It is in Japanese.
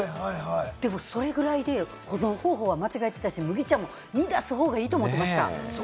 でもそれぐらいで、保存方法は間違えてたし、麦茶も煮出す方がいいと思ってました。